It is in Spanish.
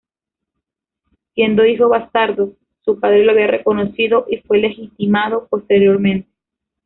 Siendo hijo bastardo, su padre lo había reconocido, y fue legitimado posteriormente.